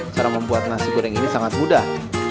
cara membuat nasi goreng ini sangat mudah